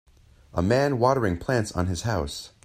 A man watering plants on his house.